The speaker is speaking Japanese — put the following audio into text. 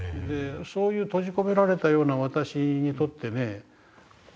そういう閉じ込められたような私にとってね